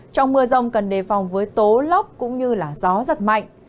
trong mưa rông cần đề phòng với tố lốc cũng như gió giật mạnh